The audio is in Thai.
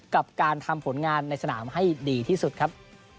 กับการทำผลงานในสนามให้ดีที่สุดครับ